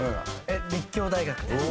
立教大学です。